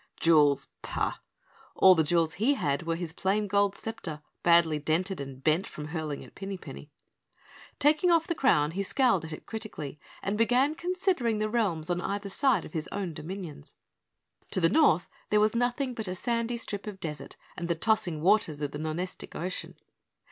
Jewels. Pah! All the jewels he had were his plain gold scepter, badly dented and bent from hurling at Pinny Penny. Taking off the crown, he scowled at it critically and began considering the realms on either side of his own dominions. To the north there was nothing but a sandy strip of desert and the tossing waters of the Nonestic Ocean.